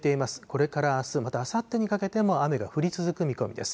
これからあす、またあさってにかけても、雨が降り続く見込みです。